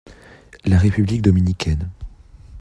La République dominicaine.